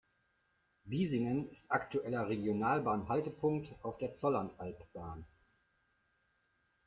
Bisingen ist aktueller Regionalbahn-Haltepunkt auf der Zollernalbbahn.